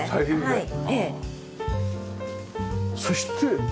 はい。